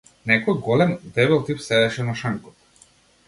Некој голем, дебел тип седеше на шанкот.